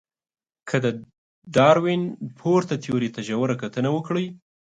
که د داروېن پورته تیوري ته ژوره کتنه وکړئ.